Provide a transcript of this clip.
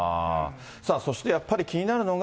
そしてやっぱり気になるのが。